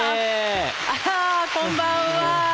あこんばんは！